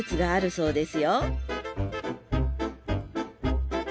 そうです